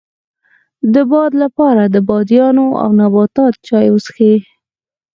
د باد لپاره د بادیان او نبات چای وڅښئ